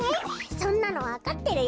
そんなのわかってるよ！